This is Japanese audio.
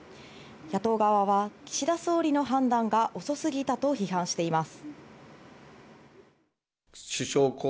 野党側は岸田総理の判断が遅すぎたと批判しています。